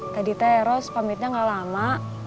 tadi teros pamitnya gak lama